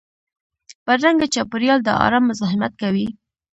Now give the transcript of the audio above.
بدرنګه چاپېریال د ارام مزاحمت کوي